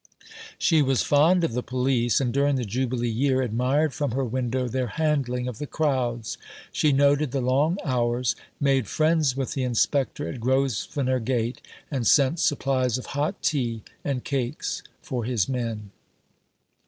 She was fond of the police, and during the Jubilee year admired from her window their handling of the crowds. She noted the long hours; made friends with the Inspector at Grosvenor Gate, and sent supplies of hot tea and cakes for his men.